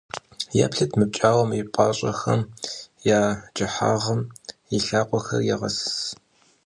Еплъыт мы пкӏауэм и пащӏэхэм я кӏыхьагъым, и лъакъуэхэри егъэсыс.